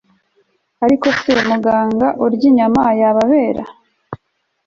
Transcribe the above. Ariko se muganga urya inyama yababera